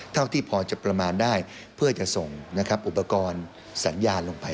เท่าที่พอจะประมาณได้เพื่อจะส่งนะครับอุปกรณ์สัญญาณลงไป